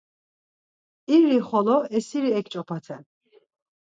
İri xolo esiri eǩç̌opaten.